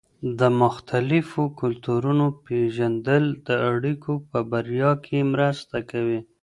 د مختلفو کلتورونو پېژندل د اړيکو په بریا کې مرسته کوي.